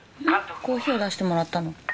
コーヒーを出してもらったの。